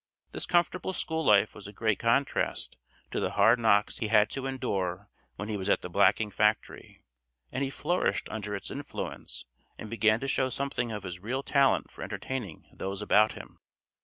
This comfortable school life was a great contrast to the hard knocks he had to endure when he was at the blacking factory, and he flourished under its influence and began to show something of his real talent for entertaining those about him.